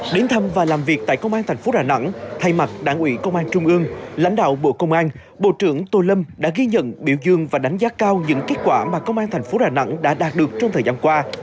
đến thăm và làm việc tại công an thành phố đà nẵng thay mặt đảng ủy công an trung ương lãnh đạo bộ công an bộ trưởng tô lâm đã ghi nhận biểu dương và đánh giá cao những kết quả mà công an thành phố đà nẵng đã đạt được trong thời gian qua